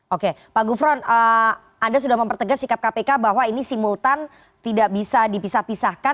oke pak gufron anda sudah mempertegas sikap kpk bahwa ini simultan tidak bisa dipisah pisahkan